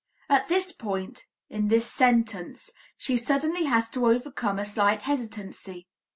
At this point in this sentence she suddenly has to overcome a slight hesitancy.